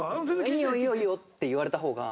「いいよいいよいいよ」って言われた方が。